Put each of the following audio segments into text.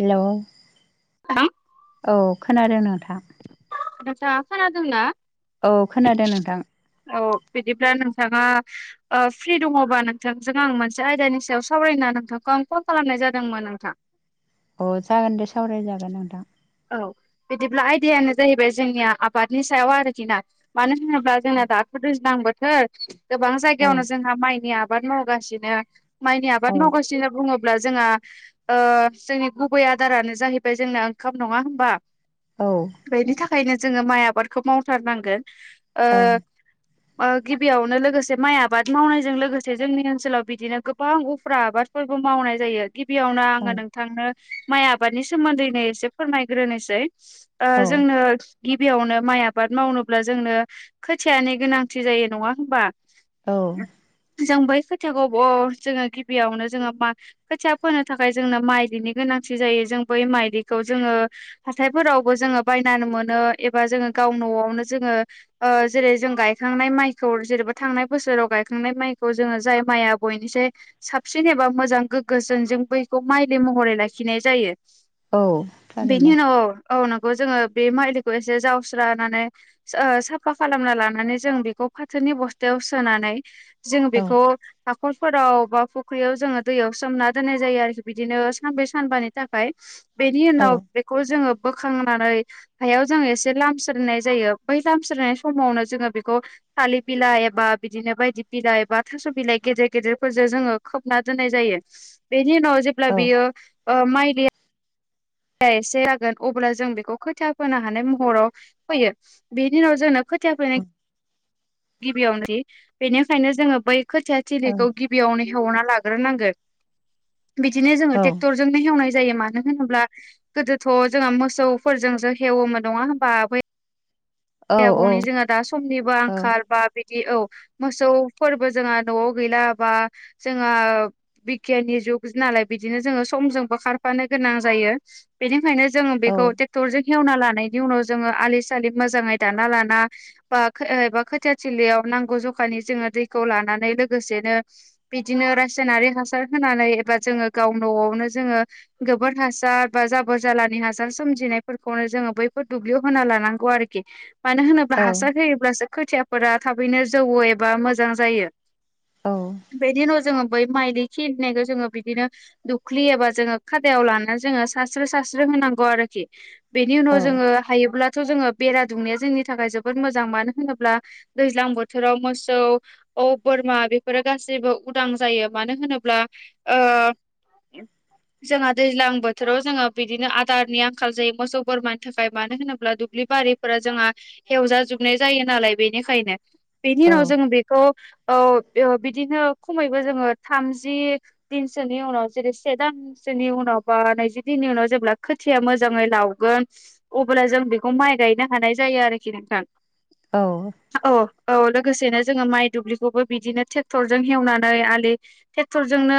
Hello औ नोंथां औ खोनादों नोंथां नोंथाङा खोनादोंना औ खोनादों नोंथां औ बिदिब्ला नों नोंथाङा ओ फ्रि दङबा नोंथांजों आं मोनसे आयदानि सायाव सावरायना नोंथांखौ आं फन खालामनाय जादोंमोन नोंथां अ जागोन दे सावराय जागोन नोंथां औ बिदिब्ला आयदायानो जाहैबाय जोंनिया आबादनि सायाव आरोखिना मानो होनोब्ला बा जोंना दाथ' दैज्लां बोथोर गोबां औ जायगायावनो जोंहा माइनि आबाद मावगासिनो माइनि औ आबाद मावगासिनो बुङो ब्ला जोंहा ओ जोंनि गुबै आदारानो जाहैबाय जोंना ओंखाम नङा होमबा औ बेनि थाखायनो जोङो माइ आबादखौ मावथारनांगोन ओ ओं ओ गिबियावनो लोगोसे माइ आबाद मावनायजों लोगोसे जोंनि ओनसोलाव बिदिनो गोबां उफ्रा आबादफोर बो मावनाय जायो गिबियावनो आङो नोंथांनो माइ आबादनि सोमोनदैनो एसे फोरमायग्रोनोसै ओ औ जोंनो गिबियावनो माइ आबाद मावनोब्ला जोंनो खोथियानो गोनांथि जायो नङा होनबा औ खोथियाखौ ब जोङो गिबियावनो जोङो मा खोथिया फोनो थाखाय जोंनो माइलिनि गोनांथि जायो जों बै माइलिखौ जोंङो हाथायफोरावबो जोंङो बायनानै मोनो एबा जोंङो गाव न'आवनो जोंङो जेरै जों गायखांनाय माइखौ जेनेबा थांनाय बोसोराव गायखांनाय माइखौ जोंङो जाय माइआ बयनिसाय साबसिन एबा मोजां गोगो जोनजों बैखौ माइलि महरै लाखिनाय जायो औ बेनि थारैनो उनाव औ जोंङो बे माइलिखौ एसे जावस्रोना ओ साफा खालामना लानानै जों बेखौ फाथो नि बस्थायाव सोनानै जों औ बेखौ हाखरफोराव बा फुख्रियाव जोंङो दैयाव सोमना दोननाय जायो आरोखि बिदिनो सानब्रै सानबानि थाखाय बिनि औ उनाव बेखौ जोंङो बोखांनानै हायाव जोंङो एसे लामस्रोनाय जायो बै लामस्रोनाय समावनो जोंङो बेखौ थालिर बिलाइ एबा बिदिनो बायदि बिलाइ एबा थास' बिलाइ गेदेर गेदेरफोरजों जोंङो खोबना दोननाय जायो। बेनि उनाव जेब्ला औ बियो माइया एसे जागोन अब्ला जों बेखौ खोथिा फोनो हानाय महराव फैयो बेनि उनाव जोंनो खोथिया फोनो औ गिबियावनो बेनिखायनो जोंङो बै खोथिया औ थिलिखौ गिबियावनो हेवना लाग्रोनांगोन बिदिनो जोंङो औ ट्रेक्टरजोंनो हेवनाय जायो मानो होनोब्ला गोदोथ' जोंहा मोसौफोरजोंसो हेवोमोन नङा होनोमबा बै औ औ आबौनि जोंहा दा समनिबो आंखाल औ बा बि औ मोसौ फोरबो जोंहा न'आव गैला बा जोंहा बिगियाननि जु नालाय बिदिनो जोंङो समजोंबो खारफानो गोनां जायो बेनिखायनो जोङो बेखौ ट्रेक्टरजों हेवना लानायनि उनाव जोंङो आलि सालि मोजांङै दाना लाना बा एबा खोथिया थिलियाव नांगौ जखानि जोंङो दैखौ लानानै लोगोसे बिदिनो रासायनारि हासार होनानै एबा जोंङो गाव न'आवनो जोंङो गोबोर हासार बा जाबर जालानि हासार सोमजिनायफोरखौनो जोंङो बैफोर दुब्लियाव होना लानांगौ आरोखि मानो होनोब्ला औ हासार होयोब्लासो खोथियाफोरा थाबैनो जौ एबा मोजां जायो औ बेनि उनाव जोंङो बै माइलि खिलिनायखौ जोंङो बिदिनो दुख्लि एबा जोंङो खादायाव लानानै जोंङो सास्रो स्रो होनांगौ आरोखि बेनि उनाव जोङो हायोब्लाथ जोंङो बेरा दुमनाया जोंनि थाखाय जोबोर मोजां मानो होनोब्ला दैज्लां बोथोराव मोसौ औ बोरमा बेफोरो गाैबो उदां जायो मानो होनोब्ला ओ जोंहा दैज्लां बोथोराव जोङो बिदिनो आदारनि आंखाल जायो मोसौ बोरमानि थाखाय मानो होनोब्ला दुब्लि बारिफोरा जोंहा हेवजाजोबनाय जायो नालाय बेनिखायनो बेनि उनाव जों बेखौ औ ओ बिदिनो खमैबो जोंङो थामजि दिनसोनि उनाव जेरै से दान सोनि उनाव बा नैजि दिननि उनाव जेब्ला खोथिया मोजांङै लावगोन अब्ला जों बेखौ माइ गाय गायनो हानाय जायो आरोखि नोंथां। औ औ औ लोगोसेनो जोंङो माइ दुब्लिखौबो बिदिनो टेक्टरजों हेवनानै आलि टेक्टरजोंनो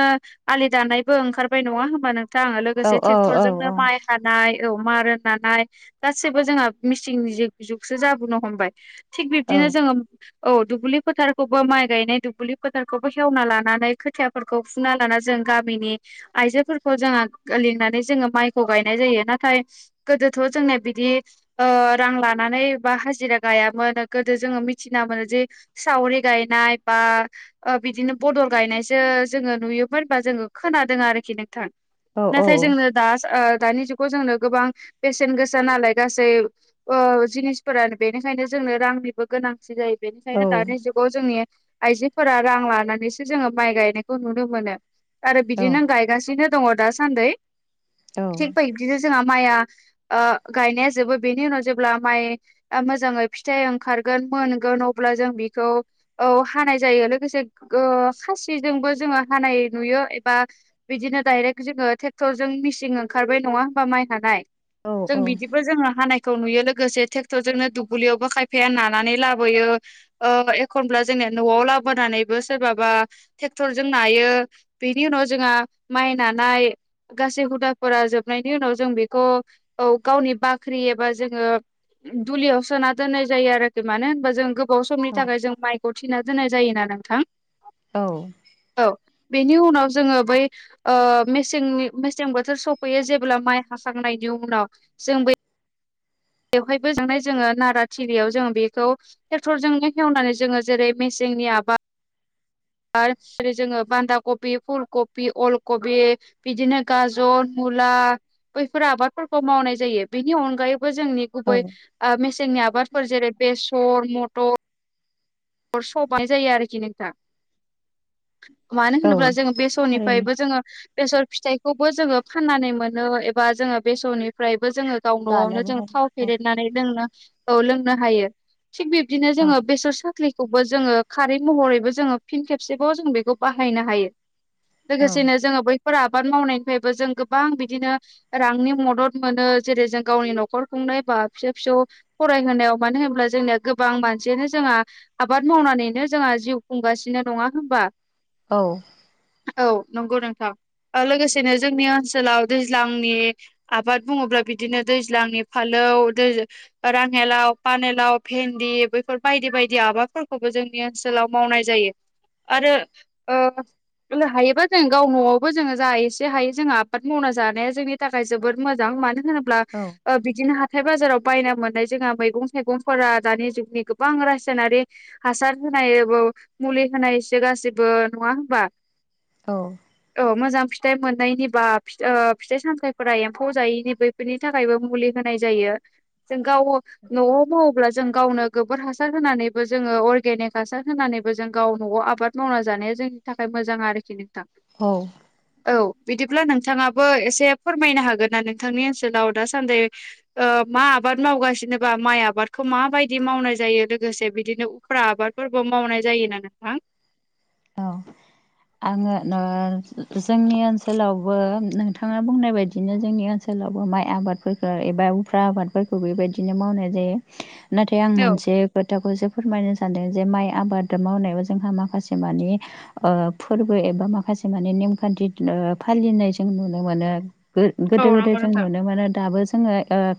आलि दानायबो ओंखारबाय नंङा होमबा नोंथां औ लोगोसे टेक्टरजों माइ हानाय औ मारा नानाय गासैबो जोंहा मिसिंनि जिग जुगसो जाबोनो हमबाय। थिग बिब्दिनो जोंङो औ दुब्लि फोथारखौबो माइ गायनाय दुब्लि फोथारखौबो हेवना लानानै खोथियाफोरखौ फुना लाना जों गामिनि आइजोफोरखौ जोङो लिंनानै जोंङो माइखौ गायनाय जायो नाथाय गोदोथ' जोंनिया बिदि ओ रां ला नानै बा हाजिरा गायामोन गोदो जोंङो मिथिना मोनो जे सावरि गायनाय बा ओ बिदिनो बदल गायनायसो जोंङो नुयोमोन बा जोंङो खोनादों आरोखि नोंथां। नाथाय जोंनो दास ओ दानि जुगाव जोंनो गोबां बेसेन गोसा नालाय गासै ओ जिनिसफोरानो बेनिखायनो जोंनो रांनिबो गोनांथि जायो बेनिखायनो दानि जुगाव जोंनि आइजोफोरा रां लानानैसो जोंङो माइ गायनायखौ नुनो मोनो। आरो बिदिनो गायगासिनो दंङो दासान्दि थिग बैबदिनो जोंहा माइया ओ गायनाया जोबो बेनि उनाव जेब्ला माइ ओ मोजाङै फिथाइ ओंखारगोन मोनगोन अब्ला जों बेखौ औ हानाय जायो। लोगोसे गो खासिजोंबो जोङो हानाय नुयो एबा बिदिनो दाइरेक्ट जोङो टेक्टरजों मिसिं ओंखारबाय नङा होमबा माइ हानाय जों बिदिबो जोङो हानायखौ नुयो लोग गोसे टेक्टर जोंनो दुब्लियावबो खायफाया नानानै लाबोयो ओ एखनब्ला जोंनिया न'आव ला बोनानैबो सोरबाबा ट्रेक्टरजों नायो बेनि उनाव जोंआ माइ नानाय गासै हुदाफोरा जोबनायनि उनाव जों बेखौ औ गावनि बाख्रि एबा जोङो दुलियाव सोना दोननाय जायो आरोखि मानो होनबा जों गोबाव समनि थाखाय जों माइखौ थिना दोननाय जायोना नोंथां। औ औ बेनि उनाव जोङो बै ओ मेसेंनि मेसें बोथोर सफैयो जेब्ला माइ हाखांनायनि उनाव जों बै बेवहायबो जानाय जोङो नारा थिलियाव जोङो बेखौ ट्रेक्टरजोंनो हेवनानै जोङो जेरै मेसि जोंनि आबा आर जेरै जोङो बान्दा कफि फुल कफि अल कफि बिदिनो गाजर मुला बैफोर आबादफोरखौ मावनाय जायो बेनि अनगायै बो जोंनि गुबै औ मेसेंनि आबादफोर जेरै बेसर मथ र सबाय जायो आरोखि नोंथां। मानो औ होनोब्ला जोङो थारैनो बेसरनिफ्रायबो जोङो बेसर फिथाइखौबो जोङो फाननानै मोनो एबा जोङो बेसरनिफ्राय बो जोङो गाव न'आवनो जानोबो जोङो थाव हायो फेदेरनानै लोंनो औ लोंनो हायो। थिग बिब्दिनो औ जोङो बेसर सा ख्लिखौबो जोङो खारै महरैबो जोङो फिन खेबसेबाव जों बेखौ बाहायनो हायो। औ लोगोसेनो जोङो बै फोर आबाद मावनायनिफ्रायबो जों गोबां बिदिनो रांनि मदद मोनो जेरै जों गावनि न'खर खुं नायबा फिसा फिसौ फरायहोनायाव मानो होनोब्ला जोंनिया गोबां मानसियानो जोंहा आबाद मावनानैनो जोंहा जिउ खुंगासिनो नङा होमबा? औ औ नंगौ नोंथां लोगोसेनो जोंनि ओनसोलाव दैज्लांनि आबाद बुङोब्ला बिदिनो दैज्लांनि फालो राङा लाव पानेलाव भेनदि बैफोर बायदि बायदि आबाद फोरखौबो जोंनि ओनसोलाव मावनाय जायो आरो हायोबा जों गाव न'आवबो जोङो जा एसे हायो जोङो आबाद मावना जानाया जोंनि थाखाय जोबोद मोजां मानो होनोब्ला औ बिदिनो हाथाय हथाइ बाजाराव बायनो मोननाय जोंहा मैगं थाइगंफोरा दानि जुगनि गोबां रासायनारि हासार होनायबो मुलि होनायसो गाससिबो नङा होनबा? औ मोजां फिथाइ मोननायनि बा फिथाइ सामथायफोरा एम्फौ जायैनि बैफोरनि थाखायबो मुलि होनाय होनाय जायो जों गावनो नवाव मावोब्ला जों गावनो गोबोर हासार होनानै बोजोङो अरगेनिक हासार होनानैबो जों गाव न'आव आबाद मावना जानाया जोंनि थाखाय मोजां आरोखि नोंथां। औ औ बिदिब्ला नोंथाङाबो एसे फोरमायनो हागोन ना नोंथांनि ओनसोलाव दासान्दि मा आबाद मावगासिनोबा माइ आबादखौ माबायदि मावनाय जायो लोगोसे बिदिनो उफ्रा आबादफोरबो मावनाय जायोना नोंथां? औ आङो जोंनि ओनसोलावबो नोंथाङा बुंनाय बायदिनो जोंनि ओनसोलावबो माइ आबादफोरखौ एबा उफ्रा आबादफोरखौ बेबायदिनो मावनाय जायो। नाथाय आं औ मोनसे खोथाखौसो फोरमायनो सानदों जे माइ आबाद मावनायाव जोंहा माखासे माखासे माने ओ फोरबो एबा माखासे माने नेमखान्थि फालिनाय जों नुनो मोनो। औ गोदो गोदोय नंगौ जों नोंथां नुनो मोनो दाबो जोङो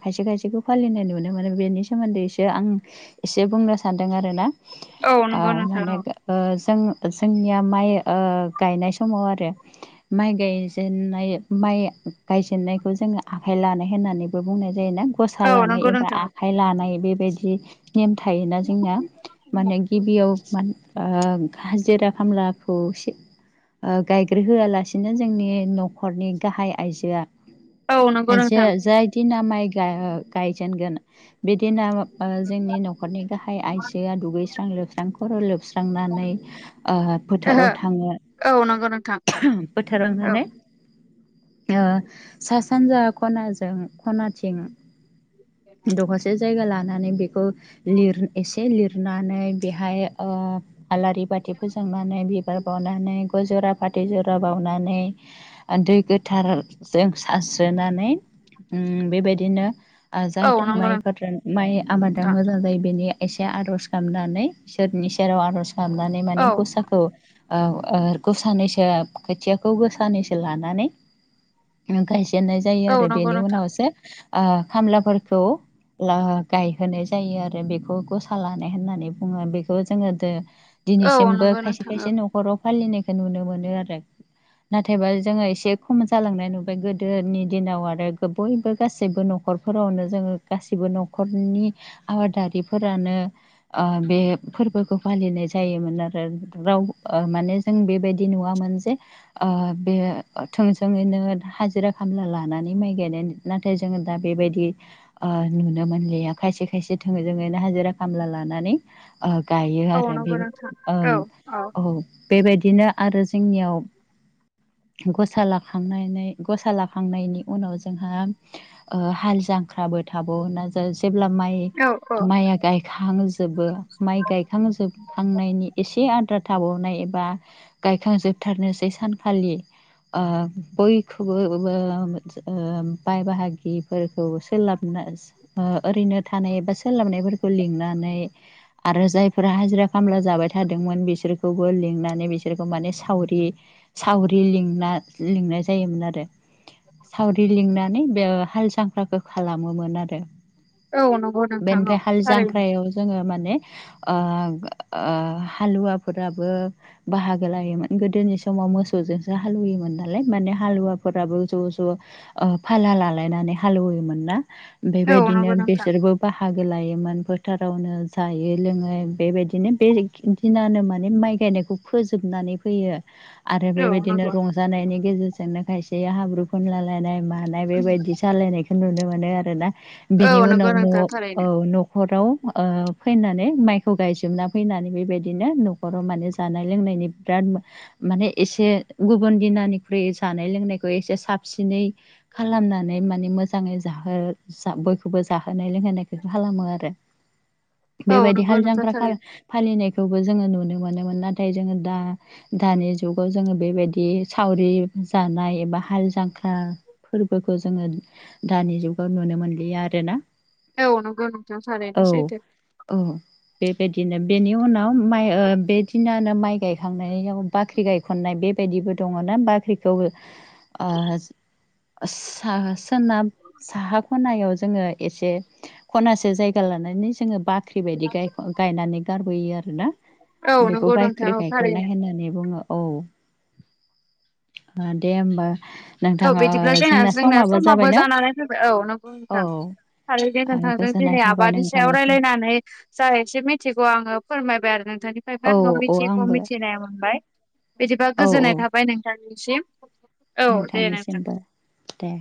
खायसे खायसेखौ फालिनाय नुनो मोनो बेनि सोमोन्दै एसो आं एसे बुंनो सान आरो ना औ ओ नंगौ नोंथां औ [unintelligible] जोंनिया माइ ओ गायनाय समाव आरो माइ गायजेनाय माइ गायजेननायखौ जोङो आखाइ लानाय होननानैबो बुंनाय जायो ना गसा औ नंगौ लानाय बा नोंथां आखाइ लानाय बेबायदि नेम थायोना जोंना माने गिबियाव ओ हाजिरा खामलाखौसे ओ गायग्रो होआलासिनो जोंनि न'खरनि गाहाय आइजोआ औ नंगौ जे नोंथां। जाय दिना माइ गायजेनगोन बिदिना ओ जोंनि न'खरनि गाहाय आइजोआ दुगैस्रां लोबस्रां खर' लोबस्रांनानै ओ ओहो फोथाराव थाङो औ नंगौ नोंथां फोथाराव थांनानै ओ सा सानजा खनाजों खनाथिं दखरसे जायगा लाना लानानै बेखौ लिर एसे लिरनानै बेहाय आलारि बाथि फोजोंनानै बिबार बावनानै गय जरा फाथै जरा बावनानै दै गोथौ सारजों सारस्रोनानै उम बेबायदिनो औ जाहाथे नंगौ माइफोर माइ आबादा नोंथां मोजां जायो बेनि एसे आर'ज गाबनानै इसोरनि सेराव आर'ज गाबनानै माने औ गसाखौ ओ गोसानैसो खोथियाखौ गोसानैसो लानानै गाय जेननाय जायो औ आरो नंगौ बेनि नोंथां उनावसो ओ खामलाफोरखौ गायहोनाय जायो आरो बेखौ गसा लानाय होननानै बुङो बेखौ जोङो दो औ दिनैसिमबो नंगौ खायसे नोंथां औ खायसे न'खराव फालिनायखौ नुनो मोनो आरो। नाथायबा जोङो एसे खम जालांनाय नुबाय गोदोनि दिनाव आरो बयबो गासैबो न'खर न'खरफोरावनो जोङो गासिबो न'खरनि आबादारिफोरानो ओ बे फोरबोखौ फालिनाय जायोमोन आरो राव माने जों बेबायदि नुवामोन जे बे थोंजोङैनो हाजिरा खामला लानानै माइ गायनाय। नाथाय जोङो दा बे बेबायदि नुनो मोनलिया खायसे खायसे थोजोंङैनो हाजिरा खामला लानानै गायो औ आरो बे नंगौ नोंथां औ औ बेबायदिनो आरो जोंनियाव [inaudible] गसा लाखांनानै गसा लाखांनायनि उनाव जोंहा हाल जां ख्राबो थाबावोना जेब्ला माइ औ माइआ गायखांजोबो माइ गायखांजोब नायनि एसे आद्रा थाबावनाय एबा गायखांजोबथारनोसै सानखालि बयखौबो बाय बाहागिफोरखौ सोलाबनो ओरैनो थानाय बा सोलाबनायफोरखौ लिंनानै आरो जायफोरा हाजिरा खामला जाबाय थादोंमोन बिसोरखौबो लिंनानै बिसोरखौ माने सावरि सावरि लिंनानै लिंनाय जायोमोन आरो। सावरि लिंनानै बे हाल जांख्राखौ खालामोमोन आरो। औ नंगौ नोंथां औ बेनिफ्राय हाल थारैनो जांख्रायाव जोङो माने ओ हालुवाफोराबो बाहागो लायोमोन गोदोनि समाव मोसौजोंसो हालुवोमोन नालाय। ने हालुवाफोराबो ज' ज' फाला लालायनानै हालौवोमोन ना। औ बेबायदिनो नंगौ नोंथां बेसोरबो बाहागो लायोमोन। फोटारावनो जायो लोङो बेबायदिनो बे दिनानो माने माइ गायनायखौ फोजोबनानै फैयो। आरो औ बेबायदिनो नंगौ रंजानायनि गेजेरजोंनो खायसे हाब्रु फुनलालायनाय मानाय बेबायदि जालायनाय नायखौ नुनो मोनो। आरोना बेनि औ नंगौ उनाव नोंथां थारैनो न'आव नखराव फैनानै माइखौ गायजोबना फैनानै बेबायदिनो न'खराव माने जानाय लोंनायनि बिराद माने एसे गुबुन दिनानिख्रुइ जानाय लोंनायखौ एसे साबसिनै खालामनानै माने मोजाङै जाहो बयखौबो जाहोनाय लोंहोनायखौ खालामो आरो। औ बेबायदि नंगौ हाल नोंथां जांख्रा खाला थारैनो नाय नायखौबो जोङो नुनो मोनो मोन नाथाय जोङो दा दानि जुगाव जोङो बेबायदि सावरि जानाय एबा हाल जांख्रा फोरबोखौ जोङो दानि जुगाव नुनो मोनलिया आरोना। औ नोंगौ नोंथां थारैनो औ सैथो औ बेबायदिनो बेनि उनाव माइ बेदिनानो माइ गायखांनायाव बाख्रि गायखननाय बेबायदिबो दङ। बाख्रिखौबो सोनाब साहा खनायाव जोङो एसे खनासे जायगा लानानै जोङो बाख्रि बायदि गायनानै गारबोयो आरो ना औ बेखौ नंगौ नोंथां बायख्रि औ गायख'नाय थारैनो होननानै बुङो। औ दे होमबा औ नोंथाङा बिदिब्ला जोंहा जोंना जोंनिया समाबो समाबबो जाबायना जानानै फैबाय औ नंगौ औ नोंथां। थारै नोंथांजों गोजोननाय दिनै थाबाय आबादनि सायाव नोंथांनिसिम रायलायनानै जा एसे मिथिगौ आङो फोरमायबाय आरो ना नोंथांनिफ्रायबो औ आंनाव औ मिथियिखौ आंबो मिथिनाय मोनबाय बिदिबा औ औ गोजोननाय थाबाय नोंथांनि सिम औ [unintelligible] निसिमबो दे